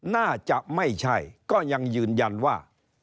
น่าจะไม่ใช่ก็ยังยืนยันว่า